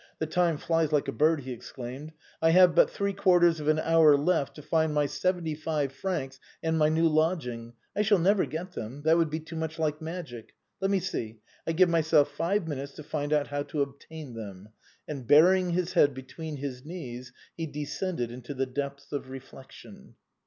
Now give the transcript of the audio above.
" The time flies like a bird !" he exclaimed. " I have but three quarters of an 6 THE BOHEMIANS OF THE LATIN QUARTER. hour left to find my seventy five francs and my new lodg ing. I shall never get them; that would be too much like magic. Let me see : I give myself five minutes to find out how to obtain them ;" and ])urying his head between his knees, he descended into the depths of reflection.